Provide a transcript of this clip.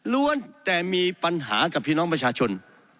แต่มีปัญหากับพี่น้องประชาชน